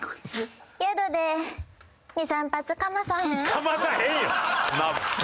かまさへんよ！